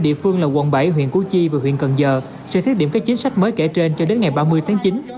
địa phương là quận bảy huyện củ chi và huyện cần giờ sẽ thiết điểm các chính sách mới kể trên cho đến ngày ba mươi tháng chín